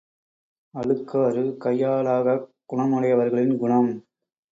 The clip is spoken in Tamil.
அழுக்காறு கையாலாகாக் குணமுடையவர்களின் குணம்!